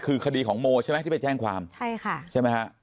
คือคดีของโมใช่ไหมที่ไปแจ้งความใช่ค่ะใช่ไหมฮะ